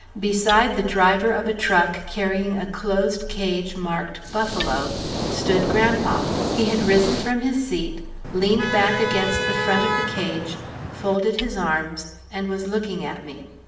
Beside the driver of a truck carrying a closed cage marked, "Buffalo," stood grandpa. He had risen from his seat, leaned back against the front of the cage, folded his arms and was looking at me.